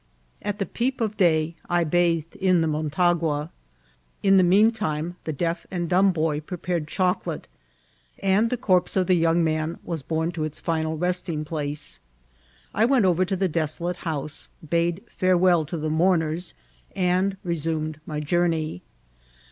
At peep of day I bathed in the Motagoa. In the mean time the d^ and dumb boy prepared chocolate^ and the corpse of the young man was borne to its final resting place. I went over to the desolate house^ bade farewell to the mourners, and resumed my journey.